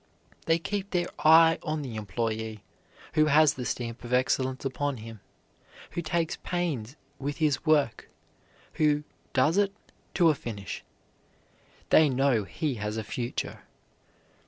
They keep their eye on the employee who has the stamp of excellence upon him, who takes pains with his work, who does it to a finish. They know he has a future.